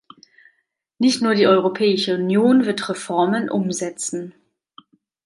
Nicht nur die Europäische Union wird Reformen umsetzen.